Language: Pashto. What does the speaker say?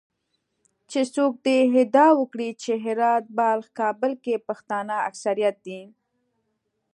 چې څوک دې ادعا وکړي چې هرات، بلخ، کابل کې پښتانه اکثریت دي